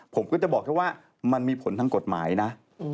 ผมก็จะบอกแค่ว่ามันมีผลทางกฎหมายนะ